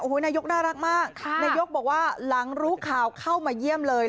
นายกน่ารักมากนายกบอกว่าหลังรู้ข่าวเข้ามาเยี่ยมเลย